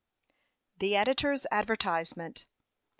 THE EDITOR'S ADVERTISEMENT.